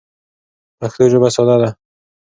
پښتو ژبه ساده ده.